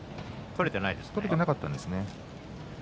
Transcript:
取れてなかったんですね。